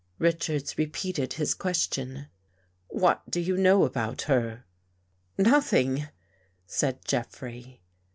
Richards repeated his question. " What do you know about her? " Nothing," said Jeffrey.